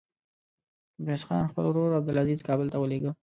ميرويس خان خپل ورور عبدلعزير کابل ته ولېږه.